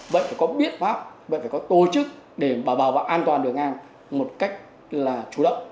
vậy phải có biện pháp vậy phải có tổ chức để bảo đảm an toàn đường ngang một cách là chủ động